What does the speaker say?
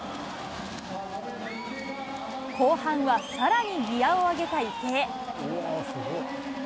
後半はさらにギアを上げた池江。